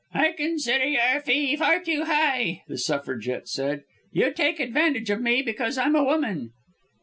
"I consider your fee far too high," the Suffragette said. "You take advantage of me because I'm a woman."